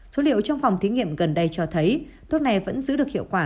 số liệu trong phòng thí nghiệm gần đây cho thấy thuốc này vẫn giữ được hiệu quả